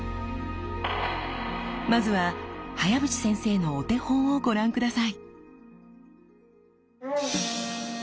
まずは早淵先生のお手本をご覧下さい。